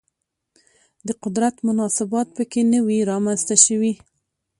د قدرت مناسبات په کې نه وي رامنځته شوي